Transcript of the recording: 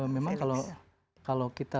memang kalau kita